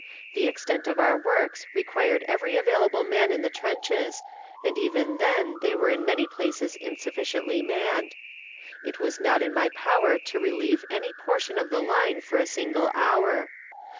The extent of our works required every available man in the trenches, and even then they were in many places insufficiently manned. It was not in my power to relieve any portion of the line for a single hour.